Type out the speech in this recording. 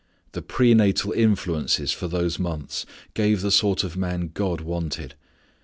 The prenatal influences for those months gave the sort of man God wanted.